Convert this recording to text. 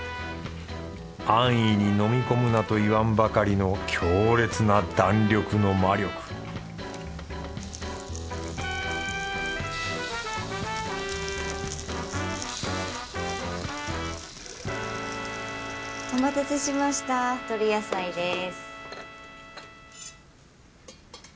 安易に飲み込むなと言わんばかりの強烈な弾力の魔力お待たせしましたとり野菜です。